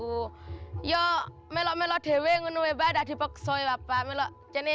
saya mengajukan pohon kepada bapak dan cina